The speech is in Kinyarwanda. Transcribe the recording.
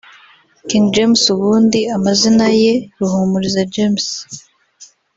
King James ubundi amazina ye Ruhumuriza James